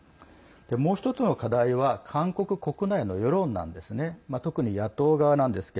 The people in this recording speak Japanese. もう１つの課題は韓国国内の世論なんですね。